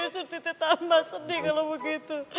surti teh tambah sedih kalau begitu